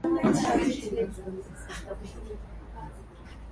Kuna michezo ambayo huhusisha mwili kama vile mbio